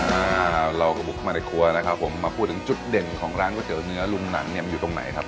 อ่าเราก็บุกเข้ามาในครัวนะครับผมมาพูดถึงจุดเด่นของร้านก๋วเนื้อลุงหนังเนี่ยมันอยู่ตรงไหนครับ